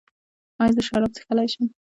ایا زه شراب څښلی شم؟